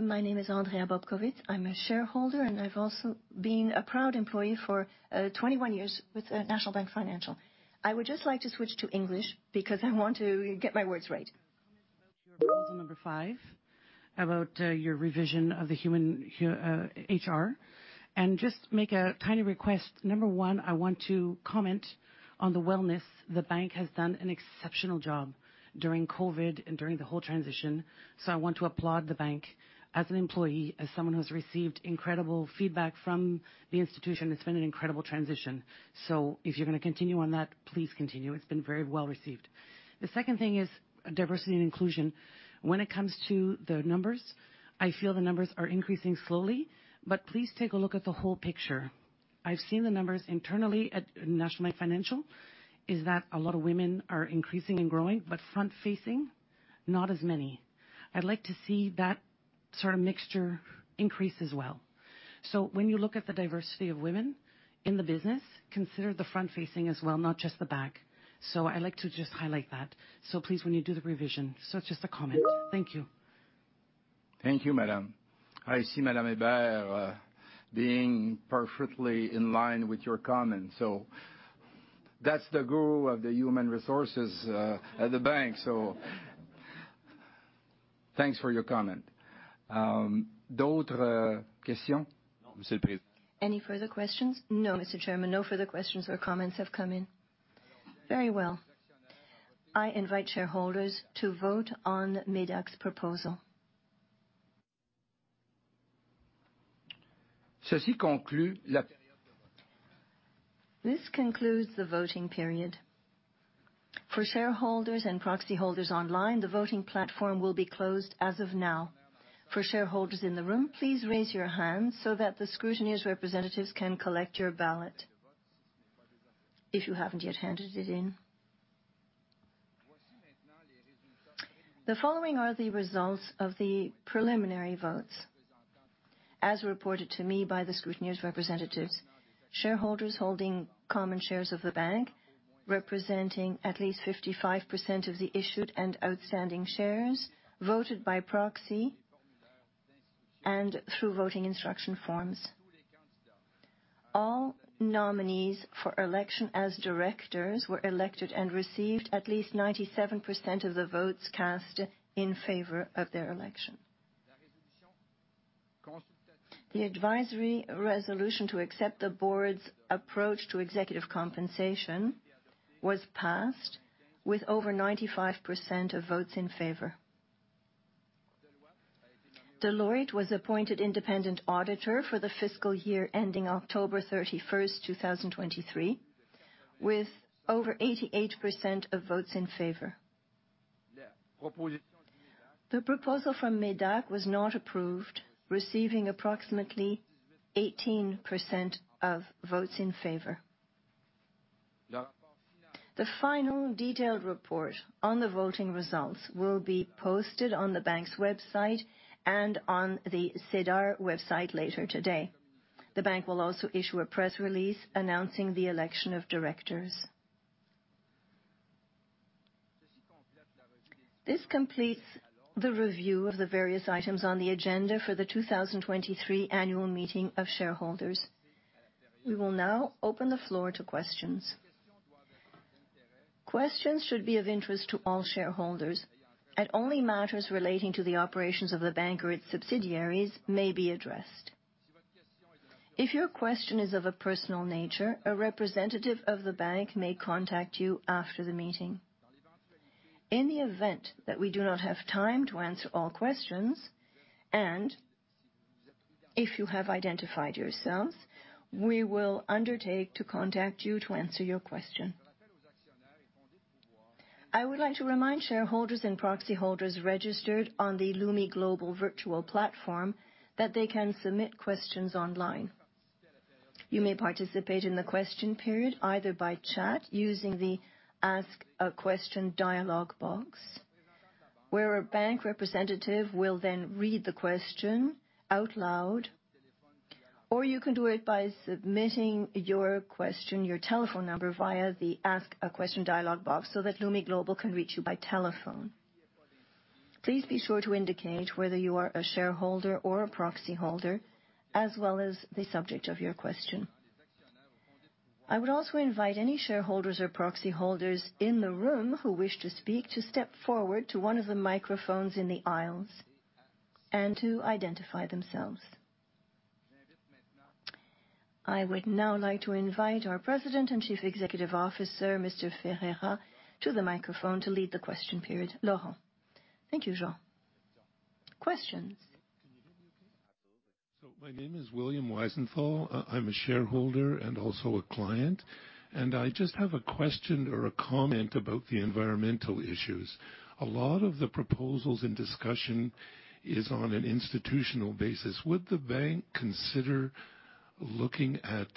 My name is Andrea T. Bobkowicz. I'm a shareholder, and I've also been a proud employee for 21 years with National Bank Financial. I would just like to switch to English because I want to get my words right. About your proposal number five, about your revision of the human HR, and just make a tiny request. Number one, I want to comment on the wellness. The bank has done an exceptional job during COVID and during the whole transition, so I want to applaud the bank as an employee, as someone who's received incredible feedback from the institution. It's been an incredible transition. If you're gonna continue on that, please continue. It's been very well-received. The second thing is diversity and inclusion. When it comes to the numbers, I feel the numbers are increasing slowly, but please take a look at the whole picture. I've seen the numbers internally at National Bank Financial, is that a lot of women are increasing and growing, but front-facing, not as many. I'd like to see that sort of mixture increase as well. When you look at the diversity of women in the business, consider the front-facing as well, not just the back. I like to just highlight that. Please, when you do the revision. It's just a comment. Thank you. Thank you, madam. I see Madame Hébert, being perfectly in line with your comment. That's the goal of the human resources, at the bank. Thanks for your comment. Any further questions? No, Mr. Chairman. No further questions or comments have come in. Very well. I invite shareholders to vote on MÉDAC's proposal. This concludes the voting period. For shareholders and proxy holders online, the voting platform will be closed as of now. For shareholders in the room, please raise your hands so that the scrutineer's representatives can collect your ballot if you haven't yet handed it in. The following are the results of the preliminary votes as reported to me by the scrutineer's representatives. Shareholders holding common shares of the bank, representing at least 55% of the issued and outstanding shares, voted by proxy and through voting instruction forms. All nominees for election as directors were elected and received at least 97% of the votes cast in favor of their election. The advisory resolution to accept the board's approach to executive compensation was passed with over 95% of votes in favor. Deloitte was appointed independent auditor for the fiscal year ending October 31st, 2023, with over 88% of votes in favor. The proposal from MÉDAC was not approved, receiving approximately 18% of votes in favor. The final detailed report on the voting results will be posted on the bank's website and on the SEDAR website later today. The bank will also issue a press release announcing the election of directors. This completes the review of the various items on the agenda for the 2023 annual meeting of shareholders. We will now open the floor to questions. Questions should be of interest to all shareholders, and only matters relating to the operations of the bank or its subsidiaries may be addressed. If your question is of a personal nature, a representative of the bank may contact you after the meeting. In the event that we do not have time to answer all questions, and if you have identified yourselves, we will undertake to contact you to answer your question. I would like to remind shareholders and proxy holders registered on the Lumi Global virtual platform that they can submit questions online. You may participate in the question period either by chat using the Ask a Question dialog box, where a bank representative will then read the question out loud, or you can do it by submitting your question, your telephone number via the Ask a Question dialog box so that Lumi Global can reach you by telephone. Please be sure to indicate whether you are a shareholder or a proxy holder, as well as the subject of your question. I would also invite any shareholders or proxy holders in the room who wish to speak to step forward to one of the microphones in the aisles and to identify themselves. I would now like to invite our President and Chief Executive Officer, Mr. Ferreira, to the microphone to lead the question period. Laurent. Thank you, Jean. Questions. My name is William Weisenthal. I'm a shareholder and also a client, I just have a question or a comment about the environmental issues. A lot of the proposals and discussion is on an institutional basis. Would the bank consider looking at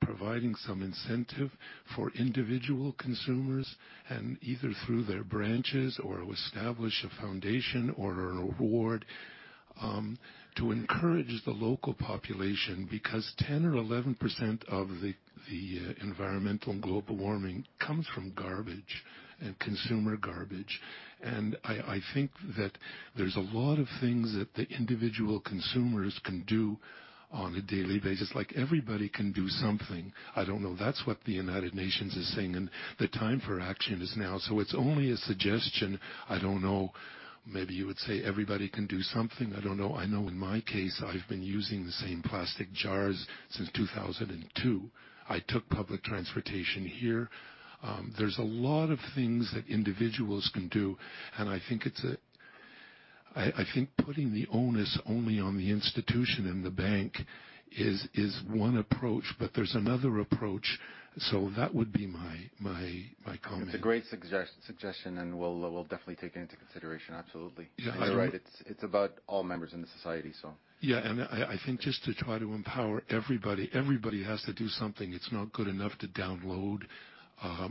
providing some incentive for individual consumers and either through their branches or establish a foundation or an award to encourage the local population? 10% or 11% of the environmental global warming comes from garbage and consumer garbage. I think that there's a lot of things that the individual consumers can do on a daily basis. Like, everybody can do something. I don't know. That's what the United Nations is saying, the time for action is now. It's only a suggestion. I don't know. Maybe you would say everybody can do something. I don't know. I know in my case, I've been using the same plastic jars since 2002. I took public transportation here. There's a lot of things that individuals can do, and I think putting the onus only on the institution and the bank is one approach, but there's another approach. That would be my comment. It's a great suggestion, and we'll definitely take it into consideration. Absolutely. Yeah, and I You're right. It's, it's about all members in the society, so. Yeah, and I think just to try to empower everybody. Everybody has to do something. It's not good enough to download,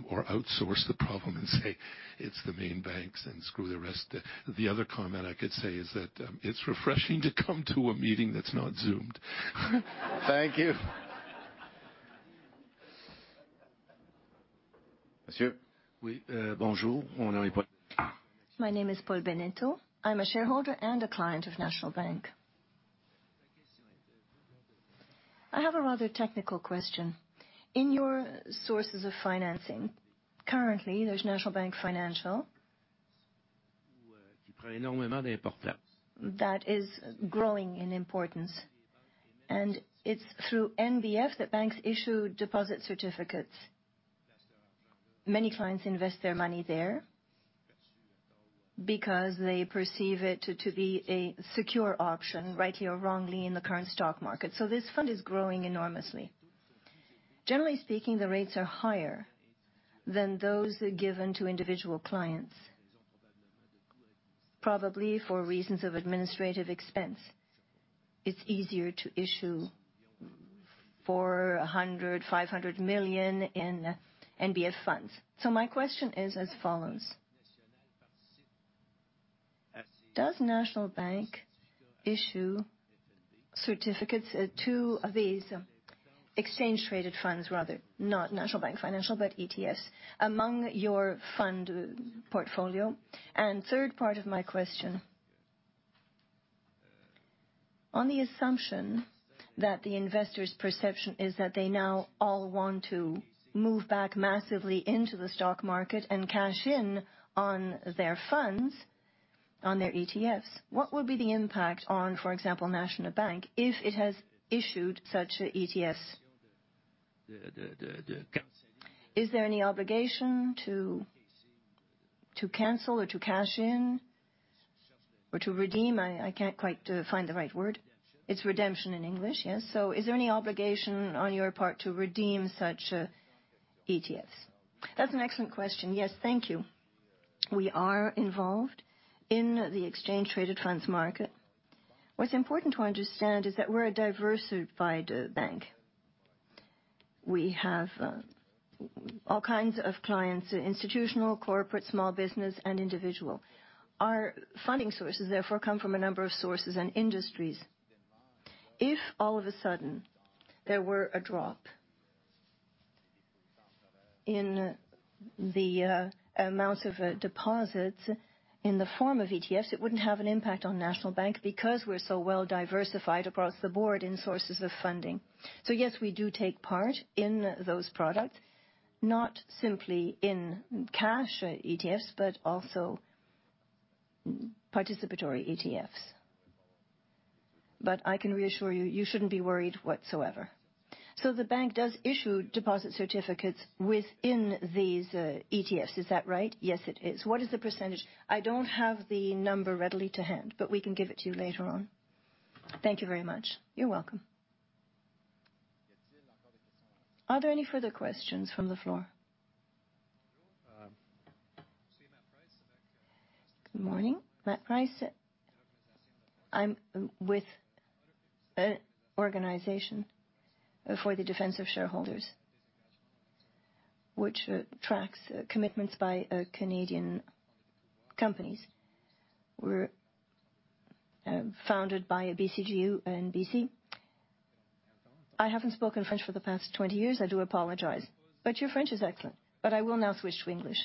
or outsource the problem and say, "It's the main banks and screw the rest." The other comment I could say is that, it's refreshing to come to a meeting that's not zoomed. Thank you. Monsieur. Oui, bonjour. My name is Paul Bennetto. I'm a shareholder and a client of National Bank. I have a rather technical question. In your sources of financing, currently, there's National Bank Financial that is growing in importance. It's through NBF that banks issue deposit certificates. Many clients invest their money there because they perceive it to be a secure option, rightly or wrongly, in the current stock market. This fund is growing enormously. Generally speaking, the rates are higher than those given to individual clients, probably for reasons of administrative expense. It's easier to issue 400 million-500 million in NBF funds. My question is as follows: Does National Bank issue certificates to these exchange traded funds rather, not National Bank Financial, but ETFs among your fund portfolio? Third part of my question, on the assumption that the investors' perception is that they now all want to move back massively into the stock market and cash in on their funds, on their ETFs. What will be the impact on, for example, National Bank, if it has issued such a ETFs? Is there any obligation to cancel or to cash in or to redeem? I can't quite find the right word. It's redemption in English, yes? Is there any obligation on your part to redeem such ETFs? That's an excellent question. Yes, thank you. We are involved in the exchange-traded funds market. What's important to understand is that we're a diversified bank. We have all kinds of clients, institutional, corporate, small business, and individual. Our funding sources, therefore, come from a number of sources and industries. If all of a sudden there were a drop in the amounts of deposits in the form of ETFs, it wouldn't have an impact on National Bank because we're so well-diversified across the board in sources of funding. Yes, we do take part in those products, not simply in cash ETFs, but also participatory ETFs. I can reassure you shouldn't be worried whatsoever. The bank does issue deposit certificates within these ETFs, is that right? Yes, it is. What is the percentage? I don't have the number readily to hand, but we can give it to you later on. Thank you very much. You're welcome. Are there any further questions from the floor? Um, Good morning. Matt Price. I'm with an organization for the defense of shareholders, which tracks commitments by Canadian companies. We're founded by BCGEU and BC. I haven't spoken French for the past 20 years. I do apologize. Your French is excellent. I will now switch to English.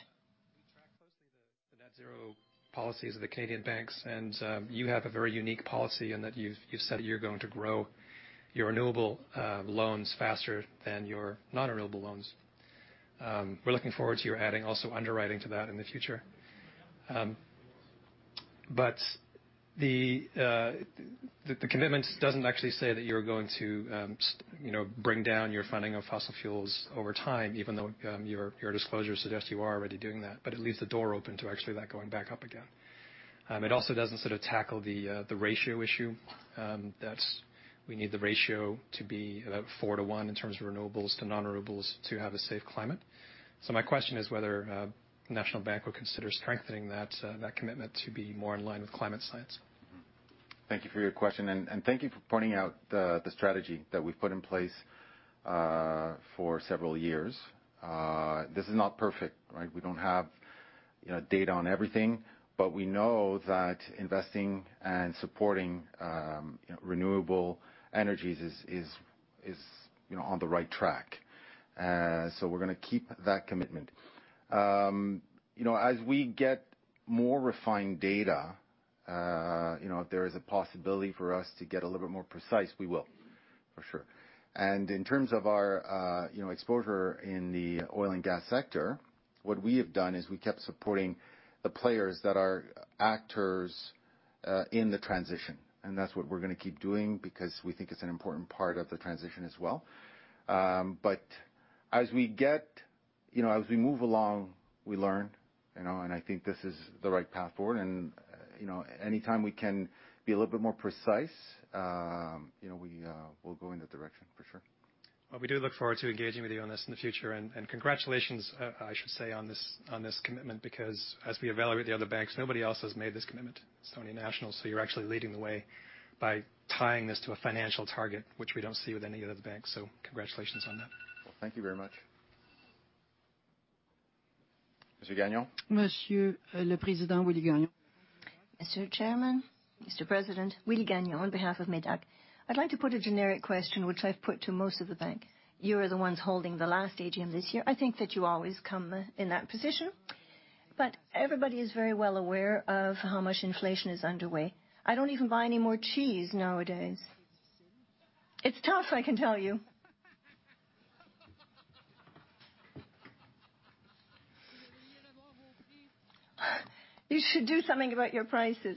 We track closely the net-zero policies of the Canadian banks, and you have a very unique policy in that you've said you're going to grow your renewable loans faster than your non-renewable loans. We're looking forward to you adding also underwriting to that in the future. The commitment doesn't actually say that you're going to, you know, bring down your funding of fossil fuels over time, even though your disclosure suggests you are already doing that. It leaves the door open to actually that going back up again. It also doesn't sort of tackle the ratio issue that we need the ratio to be about four to one in terms of renewables to non-renewables to have a safe climate. My question is whether National Bank would consider strengthening that commitment to be more in line with climate science. Thank you for your question, and thank you for pointing out the strategy that we've put in place for several years. This is not perfect, right? We don't have, you know, data on everything, but we know that investing and supporting renewable energies is, you know, on the right track. We're gonna keep that commitment. You know, as we get more refined data, you know, if there is a possibility for us to get a little bit more precise, we will, for sure. In terms of our, you know, exposure in the oil and gas sector, what we have done is we kept supporting the players that are actors in the transition, and that's what we're gonna keep doing because we think it's an important part of the transition as well. As we get, you know, as we move along, we learn, you know, and I think this is the right path forward. You know, anytime we can be a little bit more precise, you know, we'll go in that direction for sure. Well, we do look forward to engaging with you on this in the future. Congratulations, I should say, on this commitment, because as we evaluate the other banks, nobody else has made this commitment. It's only National, you're actually leading the way by tying this to a financial target, which we don't see with any of the banks. Congratulations on that. Well, thank you very much. Monsieur Gagnon. Monsieur Le President, Willie Gagnon. Mr. Chairman, Mr. President, Willie Gagnon on behalf of MÉDAC. I'd like to put a generic question, which I've put to most of the bank. You are the ones holding the last AGM this year. I think that you always come in that position. Everybody is very well aware of how much inflation is underway. I don't even buy any more cheese nowadays. It's tough, I can tell you. You should do something about your prices.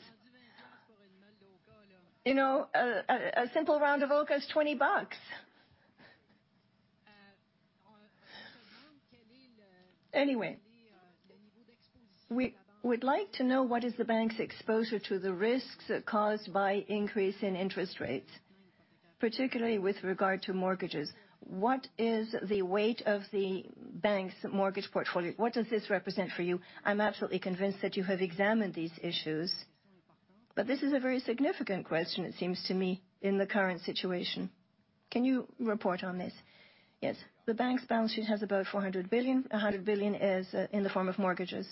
You know, a simple round of OKA is 20 bucks. We would like to know what is the bank's exposure to the risks caused by increase in interest rates, particularly with regard to mortgages. What is the weight of the bank's mortgage portfolio? What does this represent for you? I'm absolutely convinced that you have examined these issues, but this is a very significant question, it seems to me, in the current situation. Can you report on this? Yes. The bank's balance sheet has about 400 billion. 100 billion is in the form of mortgages.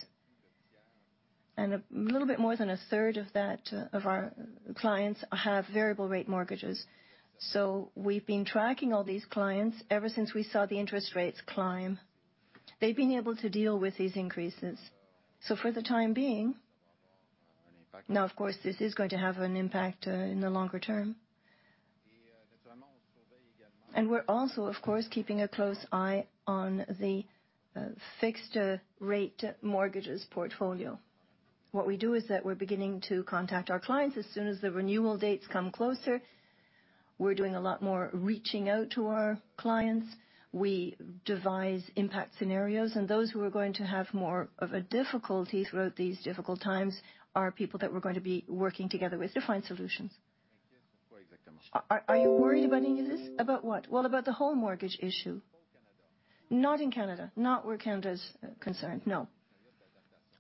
A little bit more than a third of that, of our clients have variable rate mortgages. We've been tracking all these clients ever since we saw the interest rates climb. They've been able to deal with these increases. For the time being. Now, of course, this is going to have an impact in the longer term. We're also, of course, keeping a close eye on the fixed rate mortgages portfolio. What we do is that we're beginning to contact our clients as soon as the renewal dates come closer. We're doing a lot more reaching out to our clients. We devise impact scenarios, and those who are going to have more of a difficulty throughout these difficult times are people that we're going to be working together with to find solutions. Are you worried about any of this? About what? Well, about the whole mortgage issue. Not in Canada. Not where Canada's concerned, no.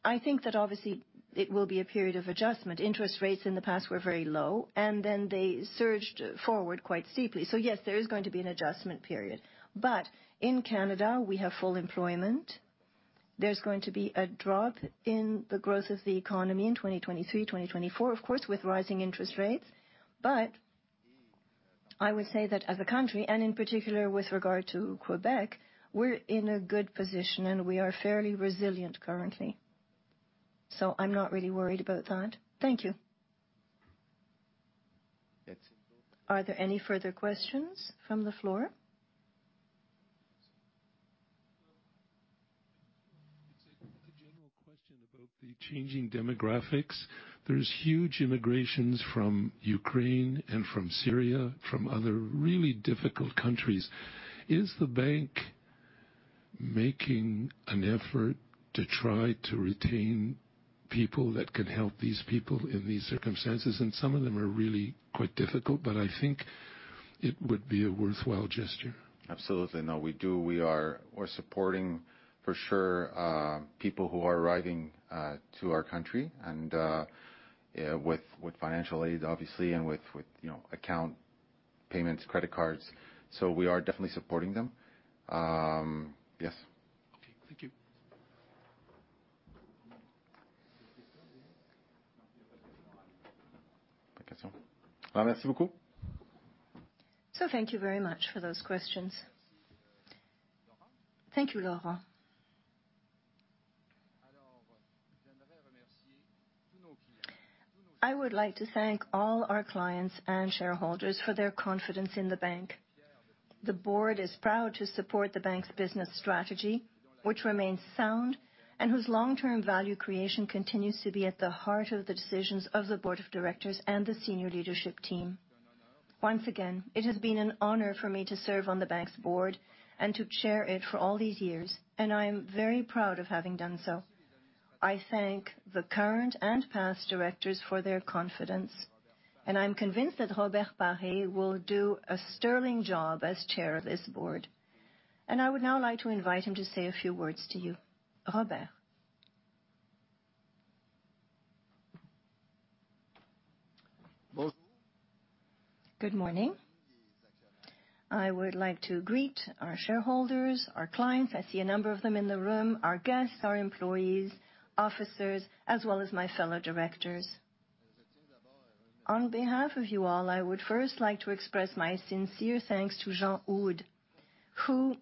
I think that obviously it will be a period of adjustment. Interest rates in the past were very low, and then they surged forward quite steeply. Yes, there is going to be an adjustment period. In Canada, we have full employment. There's going to be a drop in the growth of the economy in 2023, 2024, of course, with rising interest rates. I would say that as a country, and in particular with regard to Quebec, we're in a good position, and we are fairly resilient currently. I'm not really worried about that. Thank you. Are there any further questions from the floor? It's a general question about the changing demographics. There's huge immigrations from Ukraine and from Syria, from other really difficult countries. Is the bank making an effort to try to retain people that can help these people in these circumstances? Some of them are really quite difficult, but I think it would be a worthwhile gesture. Absolutely. No, we do. We are. We're supporting, for sure, people who are arriving to our country, and, yeah, with financial aid, obviously, and with, you know, account payments, credit cards. We are definitely supporting them. Yes. Okay, thank you. Thank you very much for those questions. Thank you, Laurent. I would like to thank all our clients and shareholders for their confidence in the bank. The board is proud to support the bank's business strategy, which remains sound and whose long-term value creation continues to be at the heart of the decisions of the board of directors and the senior leadership team. Once again, it has been an honor for me to serve on the bank's board and to chair it for all these years, and I am very proud of having done so. I thank the current and past directors for their confidence, and I'm convinced that Robert Paré will do a sterling job as chair of this board. I would now like to invite him to say a few words to you. Robert. Good morning. I would like to greet our shareholders, our clients, I see a number of them in the room, our guests, our employees, officers, as well as my fellow directors. On behalf of you all, I would first like to express my sincere thanks to Jean Houde, who,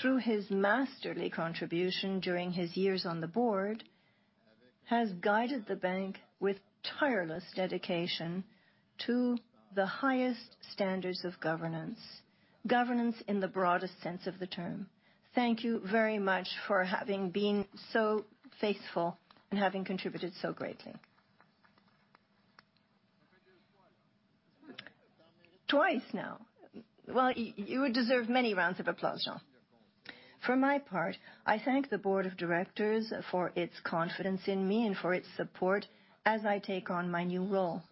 through his masterly contribution during his years on the board, has guided the Bank with tireless dedication to the highest standards of governance in the broadest sense of the term. Thank you very much for having been so faithful and having contributed so greatly. Twice now. You would deserve many rounds of applause, Jean. For my part, I thank the board of directors for its confidence in me and for its support as I take on my new role.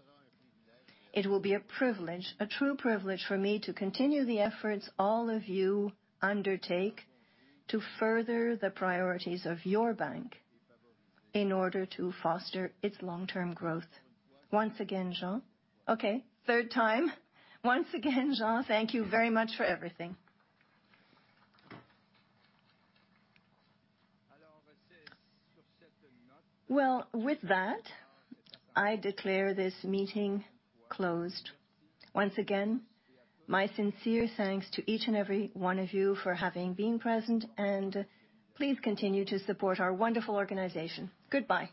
It will be a privilege, a true privilege for me to continue the efforts all of you undertake to further the priorities of your bank in order to foster its long-term growth. Once again, Jean. Okay, third time. Once again, Jean, thank you very much for everything. Well, with that, I declare this meeting closed. Once again, my sincere thanks to each and every one of you for having been present, and please continue to support our wonderful organization. Goodbye.